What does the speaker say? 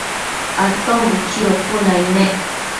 Aton buchido cuënaid nec